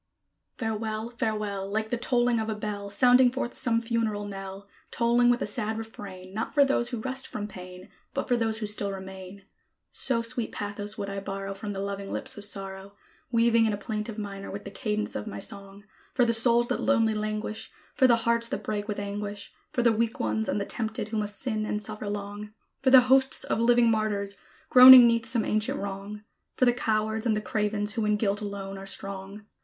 Farewell! Farewell! Like the tolling of a bell, Sounding forth some funeral knell, Tolling with a sad refrain, Not for those who rest from pain, But for those who still remain; So sweet pathos would I borrow From the loving lips of Sorrow, Weaving in a plaintive minor with the cadence of my song, For the souls that lonely languish, For the hearts that break with anguish, For the weak ones and the tempted, who must sin and suffer long; For the hosts of living martyrs, groaning 'neath some ancient wrong; For the cowards and the cravens, who in guilt alone are strong.